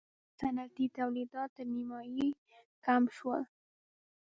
صنعتي تولیدات تر نییمایي کم شول.